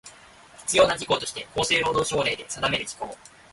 必要な事項として厚生労働省令で定める事項